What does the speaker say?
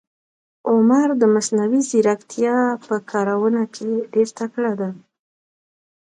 عمر د مصنوي ځیرکتیا په کارونه کې ډېر تکړه ده.